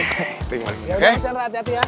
yaudah hati hati ya